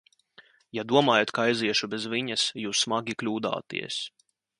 Ja domājat, ka aiziešu bez viņas, jūs smagi kļūdāties!